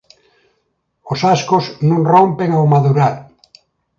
Os ascos non rompen ao madurar.